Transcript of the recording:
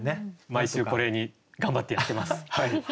毎週これに頑張ってやってます。